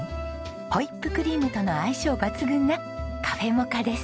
ホイップクリームとの相性抜群なカフェモカです。